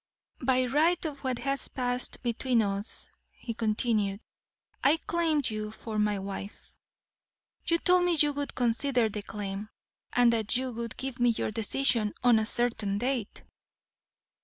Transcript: "By right of what has passed between us," he continued, "I claim you for my wife. You told me you would consider the claim, and that you would give me your decision on a certain date."